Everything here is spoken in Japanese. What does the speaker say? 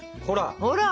ほら！